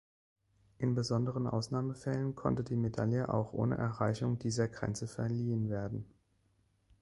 In besonderen Ausnahmefällen konnte die Medaille auch ohne Erreichung dieser Grenze verliehen werden.